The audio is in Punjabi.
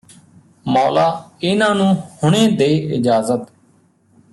ਮੌਲਾ ਇਨ੍ਹਾਂ ਨੂੰ ਹੁਣੇ ਦੇ ਇਜਾਜ਼ਤ